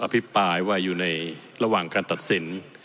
พิปรายว่าอยู่ในระหว่างการตัดสิน